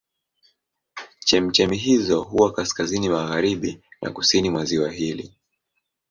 Chemchemi hizo huwa kaskazini magharibi na kusini mwa ziwa hili.